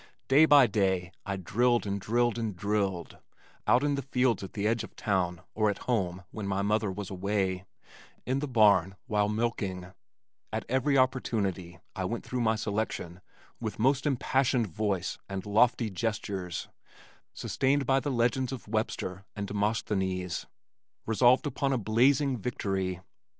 Day by day I drilled and drilled and drilled, out in the fields at the edge of the town or at home when mother was away, in the barn while milking at every opportunity I went through my selection with most impassioned voice and lofty gestures, sustained by the legends of Webster and Demosthenes, resolved upon a blazing victory.